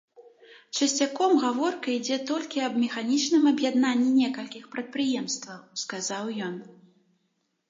Часцяком гаворка ідзе толькі аб механічным аб'яднанні некалькіх прадпрыемстваў, сказаў ён.